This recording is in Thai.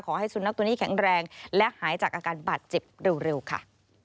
ขอให้สุนัขตัวนี้แข็งแรงและหายจากอาการบาดเจ็บเร็วค่ะ